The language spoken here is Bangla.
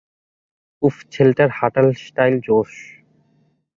উফ, ছেলেটার হাঁটার স্টাইল জোশ।